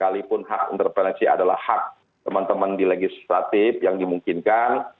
kali pun hak interpelasi adalah hak teman teman di legislatif yang dimungkinkan